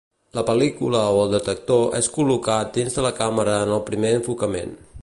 La pel·lícula o el detector és col·locat dins de la càmera en el primer enfocament.